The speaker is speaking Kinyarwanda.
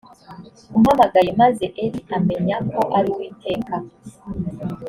umpamagaye maze eli amenya ko ari uwiteka